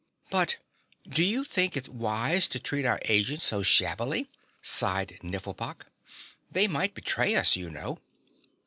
"But do you think it wise to treat our agents so shabbily?" sighed Nifflepok. "They might betray us, you know."